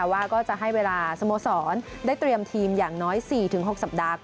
ว่าจะให้เวลาสโมสรได้เตรียมทีมอย่างน้อย๔๖สัปดาห์